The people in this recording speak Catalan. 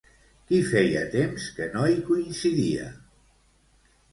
Qui feia temps que no hi coincidia?